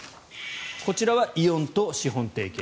こちらはイオンと資本提携。